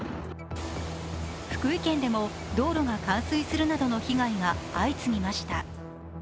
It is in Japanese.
福井県でも道路が冠水するなどの被害が相次ぎました。